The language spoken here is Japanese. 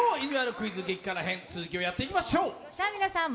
クイズ激辛編、続きをやっていきましょう。